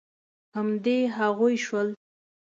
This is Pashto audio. همدې هغوی شول.